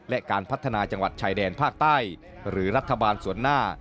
และการพัฒนาจังหวัดชายแดนภาคใต้หรือรัฐบาลส่วนหน้า